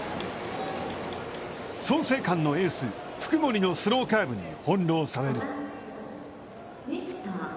創成館のエースの福盛のスローカーブに翻弄される。